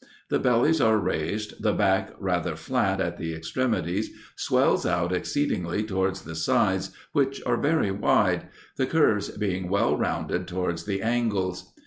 The bellies are raised, the back, rather flat at the extremities, swells out exceedingly towards the sides, which are very wide; the curves being well rounded towards the angles.